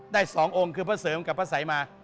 ได้๒องค์คือพระเสริมกับพระสัยมา